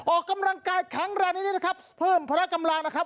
ออกกำลังกายแข็งแรงนิดนะครับเพิ่มพละกำลังนะครับ